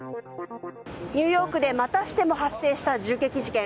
ニューヨークでまたしても発生した銃撃事件。